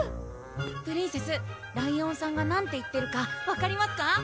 プリンセスライオンさんが何て言ってるか分かりますか？